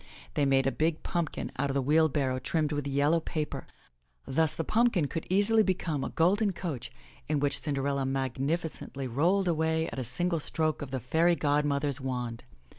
They made a big pumpkin out of the wheelbarrow trimmed with yellow paper. Thus the pumpkin could easily become a golden coach in which Cinderella magnificently rolled away at a single stroke of the fairy godmother's wand.